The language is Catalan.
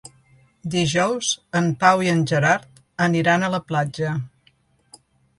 Dijous en Pau i en Gerard aniran a la platja.